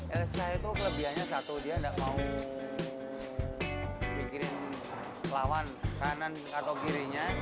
elsa itu kelebihannya satu dia nggak mau mikirin lawan kanan atau kirinya